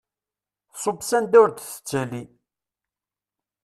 Tṣubb s anda ur d-tettali.